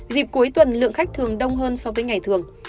dịp cuối tuần lượng khách thường đông hơn so với ngày thường